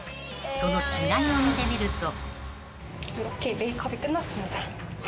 ［その違いを見てみると］